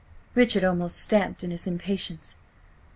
Richard almost stamped in his impatience.